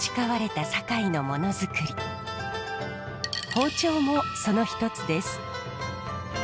包丁もその一つです。